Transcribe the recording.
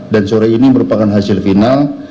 dan sore ini merupakan hasil final